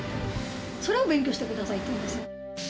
それを勉強してくださいって言うんですよ。